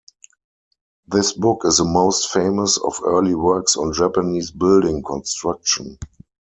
This book is the most famous of early works on Japanese building construction.